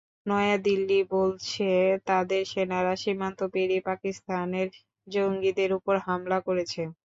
নয়াদিল্লি বলছে, তাদের সেনারা সীমান্ত পেরিয়ে পাকিস্তানের জঙ্গিদের ওপর হামলা করেছে।